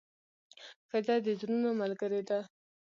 ښځه د زړونو ملګرې ده.